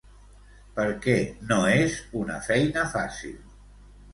Per què no és una feina fàcil?